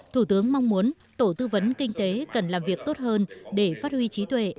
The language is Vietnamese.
thủ tướng mong muốn tổ tư vấn kinh tế cần làm việc tốt hơn để phát huy trí tuệ